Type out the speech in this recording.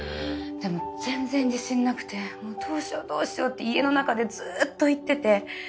でも全然自信なくてもうどうしようどうしようって家の中でずっと言ってて。